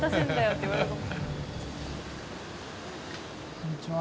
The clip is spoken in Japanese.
こんにちは。